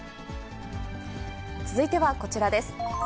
続いてはこちらです。